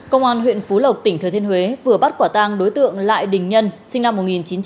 công an huyện phú lộc tỉnh thừa thiên huế vừa bắt quả tang đối tượng lại đình nhân sinh năm một nghìn chín trăm tám mươi